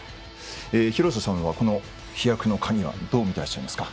廣瀬さんは飛躍の鍵はどう見ていらっしゃいますか。